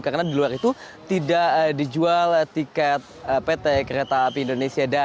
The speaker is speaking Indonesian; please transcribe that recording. karena di luar itu tidak dijual tiket pt kereta api indonesia